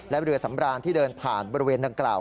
และเรือสำรานที่เดินผ่านบริเวณดังกล่าว